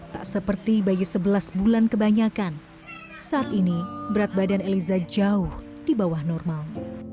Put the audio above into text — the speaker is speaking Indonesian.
tak seperti bayi sebelas bulan kebanyakan saat ini berat badan eliza jauh di bawah normal